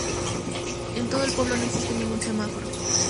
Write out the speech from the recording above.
En todo el pueblo no existe ningún semáforo.